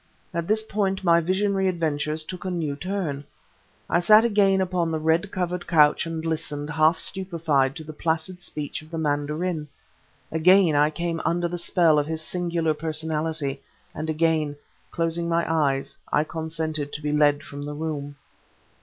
At this point my visionary adventures took a new turn. I sat again upon the red covered couch and listened, half stupefied, to the placid speech of the mandarin. Again I came under the spell of his singular personality, and again, closing my eyes, I consented to be led from the room.